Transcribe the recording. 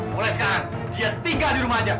mulai sekarang dia tinggal di rumah aja